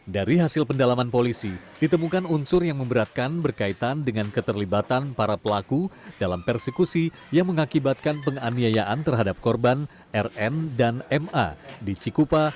dari hasil pendalaman polisi ditemukan unsur yang memberatkan berkaitan dengan keterlibatan para pelaku dalam persekusi yang mengakibatkan penganiayaan terhadap korban rn dan ma di cikupa